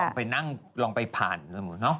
ลองไปนั่งลองไปผ่านเลยหรือไม่รู้เนอะ